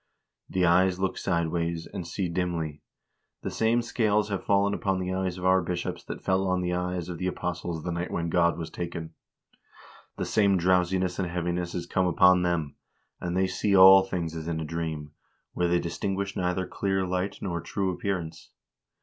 The eyes look sideways, and see dimly. The same scales have fallen upon the eyes of our bishops that fell on the eyes of the apostles the night when God was taken. The same drowsiness and heaviness is come upon them, and they see all things as in a dream, where they distinguish neither clear 400 HISTORY OF THE NORWEGIAN PEOPLE light nor true appearance.